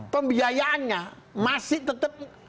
pembiayaannya masih tetap